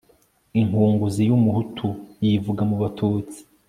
inkunguzi y'umuhutu yivuga mu batutsi